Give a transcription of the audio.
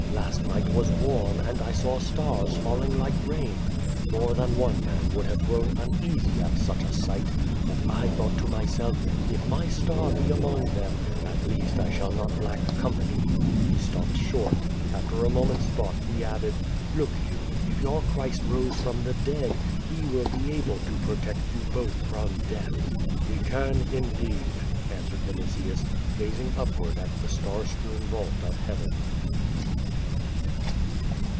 Last night was warm, and I saw stare falling like rain. More than one man would have grown uneasy at such a sight, but 1 thought to myself, *if my star be among them at least I shall not lack ronipany.'" lie stopped short. After a moment's thought he added: "Look you, if your Clirist rose from the dead, lie will be able to protect you both from death." "lie can indeed," answered Vinitius, gazing upward at the star strewn vault of Heaven.